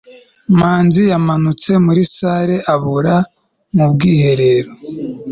manzi yamanutse muri salle abura mu bwiherero